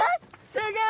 すギョい